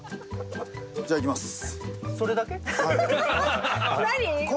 じゃあいきます。